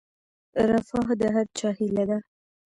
رفاه د هر چا هیله ده